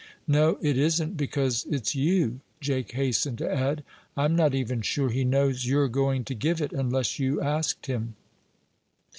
"No, it isn't because it's you," Jake hastened to add. "I'm not even sure he knows you're going to give it, unless you asked him."